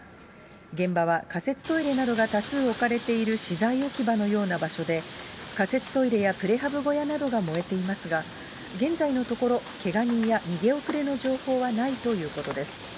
現場は仮設トイレなどが多数置かれている資材置き場のような場所で、仮設トイレやプレハブ小屋などが燃えていますが、現在のところ、けが人や逃げ遅れの情報はないということです。